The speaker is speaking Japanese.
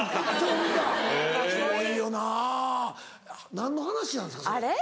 何の話なんですかそれ。